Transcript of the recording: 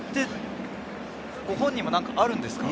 ご本人にも何かあるんですか？